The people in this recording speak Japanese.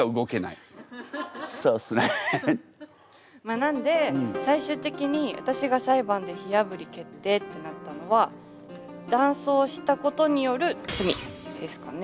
なんで最終的に私が裁判で火あぶり決定ってなったのは男装したことによる罪ですかね。